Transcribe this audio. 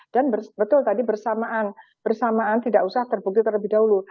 dan betul tadi bersamaan bersamaan tidak usah terbukti terlebih dahulu